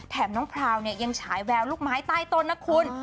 น้องพราวเนี่ยยังฉายแววลูกไม้ใต้ต้นนะคุณ